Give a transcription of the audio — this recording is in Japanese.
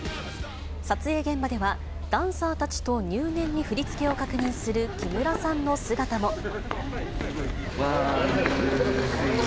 撮影現場では、ダンサーたちと入念に振り付けを確認する木村さんの姿も。